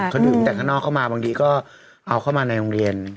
เขาดื่มแต่ข้างนอกเข้ามาบางทีก็เอาเข้ามาในโรงเรียน